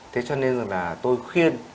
thế cho nên là tôi khuyên